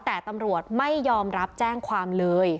แต่ตำรวจไม่ยอมรับแจ้งความเลย